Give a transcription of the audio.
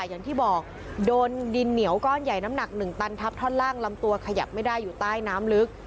อย่างที่บอกโดนดินเหนียวก้อนใหญ่น้ำหนัก๑ตันทับท่อนล่างลำตัวขยับไม่ได้อยู่ใต้น้ำลึก